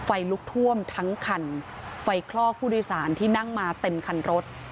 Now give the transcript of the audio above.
ไฟลุกท่วมทั้งคันไฟคลอกผู้โดยสารที่นั่งมาเต็มคันรถ